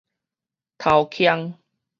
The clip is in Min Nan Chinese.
偷坑